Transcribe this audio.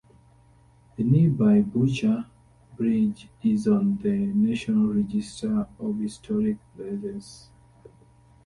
The nearby Bucher Bridge is on the National Register of Historic Places.